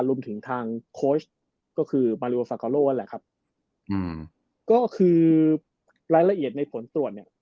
รวมถึงทางโคลสก็คือวะแหล่ะครับก็คือรายละเอียดในผลตรวจเนี่ย